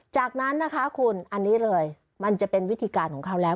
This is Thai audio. จากนั้นนะคะคุณอันนี้เลยมันจะเป็นวิธีการของเขาแล้ว